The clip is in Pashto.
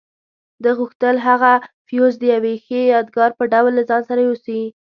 ده غوښتل هغه فیوز د یوې ښې یادګار په ډول له ځان سره یوسي.